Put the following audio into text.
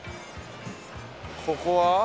ここは？